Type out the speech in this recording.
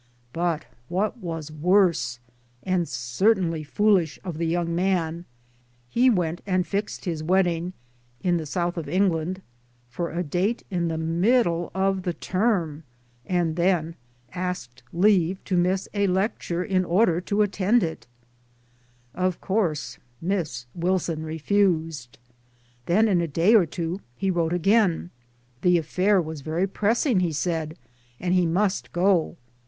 But what was worse and certainly foolish of the young man he went and fixed his wedding (in the South of England) for a date in the middle of the term, and then asked leave to miss a lecture in order to attend it I Of course Miss Wilson refused. Then in a 'day or two he wrote again. The affair was very pressing, he said, and he must go.